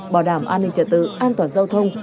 bảo đảm an ninh trật tự an toàn giao thông